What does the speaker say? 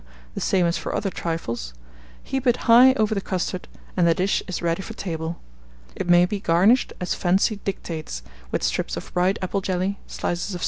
the same as for other trifles; heap it high over the custard, and the dish is ready for table. It may be garnished as fancy dictates, with strips of bright apple jelly, slices of citron, &c.